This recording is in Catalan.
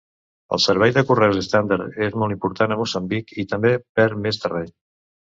El servei de correus estàndard és molt important a Moçambic i també perd més terreny.